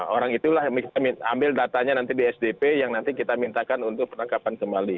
orang itulah yang ambil datanya nanti di sdp yang nanti kita mintakan untuk penangkapan kembali